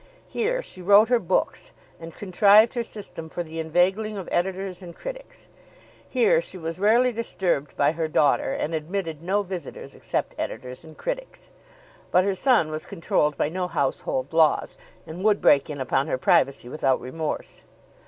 Here she wrote her books and contrived her system for the inveigling of editors and critics. Here she was rarely disturbed by her daughter, and admitted no visitors except editors and critics. But her son was controlled by no household laws, and would break in upon her privacy without remorse.